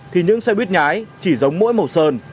thì những xe buýt nhái chỉ giống mỗi màu sơn